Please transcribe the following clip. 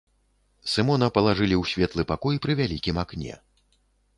Сымона палажылі ў светлы пакой пры вялікім акне.